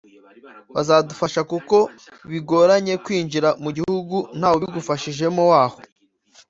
bazadufasha kuko bigoranye kwinjira mu gihugu ntawe ubibigufashijemo waho